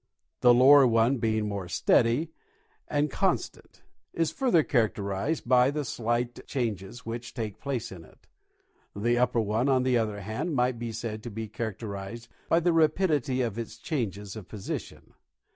The lower one, being more steady and constant, is further characterized by the slight changes which take place in it. The upper one, on the other hand, might be said to be characterized by the rapidity of its changes of position.